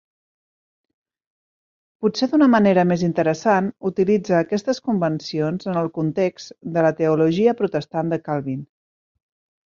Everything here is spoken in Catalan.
Potser d'una manera més interessant, utilitza aquestes convencions en el context de la teologia protestant de Calvin.